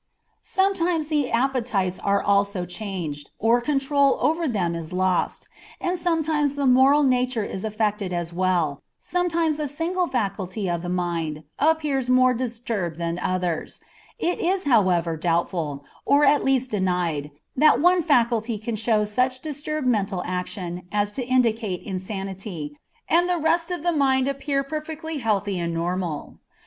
Sometimes the appetites are also changed, or control over them is lost, and sometimes the moral nature is affected as well, sometimes a single faculty of the mind appears more disturbed than do others; it is, however, doubtful, or at least denied, that one faculty can show such disturbed mental action as to indicate insanity, and the rest of the mind appear perfectly healthy and normal.